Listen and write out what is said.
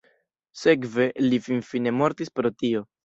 Sekve, li finfine mortis pro tio.